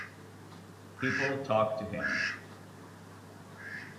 People talked to him.